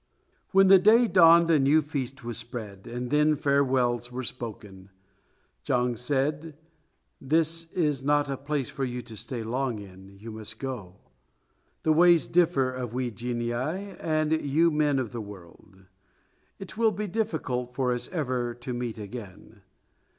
When the day dawned a new feast was spread, and then farewells were spoken. Chang said, "This is not a place for you to stay long in; you must go. The ways differ of we genii and you men of the world. It will be difficult for us ever to meet again.